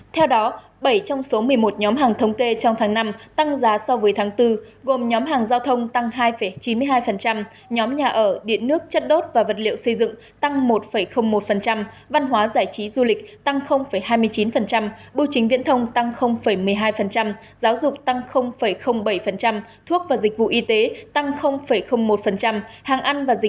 theo đó bảy trong số một mươi một nhóm hàng thống kê trong tháng năm tăng giá so với tháng bốn gồm nhóm hàng giao thông tăng hai chín mươi hai nhóm nhà ở điện nước chất đốt và vật liệu xây dựng tăng một một văn hóa giải trí du lịch tăng hai mươi chín bộ chính viễn thông tăng một mươi hai giáo dục tăng bảy thuốc và dịch vụ y tế tăng một